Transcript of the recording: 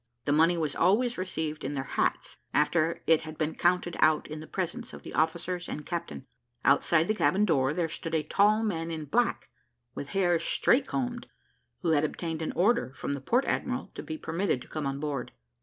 The money was always received in their hats, after it had been counted out in the presence of the officers and captain. Outside the cabin door, there stood a tall man in black, with hair straight combed, who had obtained an order from the port admiral to be permitted to come on board.